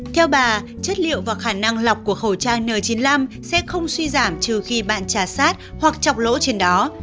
theo bà chất liệu và khả năng lọc của khẩu trang n chín mươi năm sẽ không suy giảm trừ khi bạn trả sát hoặc chọc lỗ trên đó